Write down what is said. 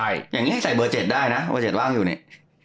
อย่างนี้ให้ใส่เบอร์๗ได้นะเบอร์๗ว่างอยู่เนี่ย